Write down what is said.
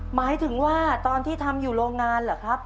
หมายถึงว่าตอนที่ทำอยู่โรงงานเหรอครับ